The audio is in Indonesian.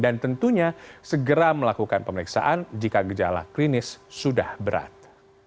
dan tentunya segera melakukan pemeriksaan jika gejala klinis sudah berat